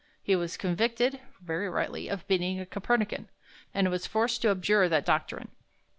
He was convicted (very rightly) of being a Copernican, and was forced to abjure that doctrine.